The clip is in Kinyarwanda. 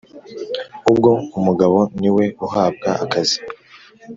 ubwo umugabo niwe uhabwa akazi